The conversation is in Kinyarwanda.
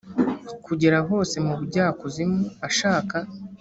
kugera hose mu bujya kuzimu ashaka